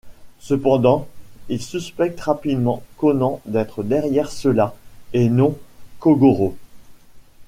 Cependant, il suspecte rapidement Conan d’être derrière cela et non Kogoro.